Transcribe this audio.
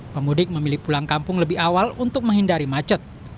pemudik memilih pulang kampung lebih awal untuk menghindari macet